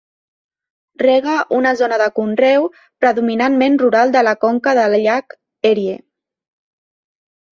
Rega una zona de conreu predominantment rural de la conca del llac Erie.